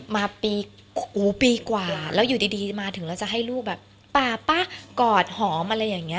มาปีกว่าแล้วอยู่ดีมาถึงเราจะให้ลูกแบบป๊าป่ะกอดหอมอะไรอย่างนี้